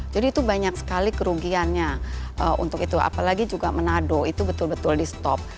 jadi itu banyak sekali kerugiannya untuk itu apalagi juga menado itu betul betul di stop